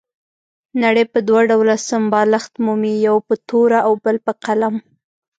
نړۍ په دوه ډول سمبالښت مومي، یو په توره او بل په قلم.